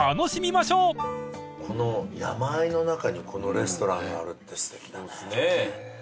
この山あいの中にこのレストランがあるってすてきだね。